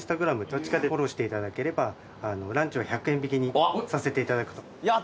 どっちかでフォローしていただければランチは１００円引きにさせていただくと。